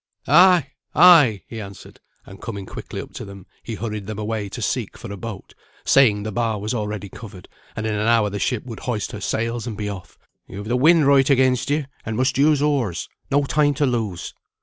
"Ay, ay," he answered, and coming quickly up to them, he hurried them away to seek for a boat, saying the bar was already covered, and in an hour the ship would hoist her sails and be off. "You've the wind right against you, and must use oars. No time to lose."